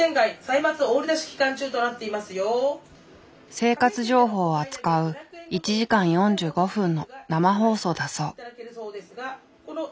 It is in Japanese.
生活情報を扱う１時間４５分の生放送だそう。